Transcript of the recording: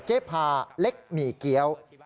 พาเล็กหมี่เกี้ยว